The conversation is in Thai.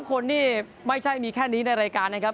คนนี่ไม่ใช่มีแค่นี้ในรายการนะครับ